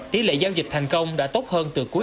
tỷ lệ giao dịch thành công đã tốt hơn từ cuối